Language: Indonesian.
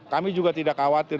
kami juga tidak khawatir